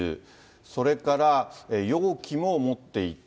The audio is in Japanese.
それから容器も持っていた。